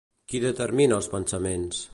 Qui determina els pensaments?